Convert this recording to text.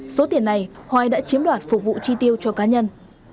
số tiền này hoài đã chiếm đoạt phục vụ chi tiêu cho cá nhân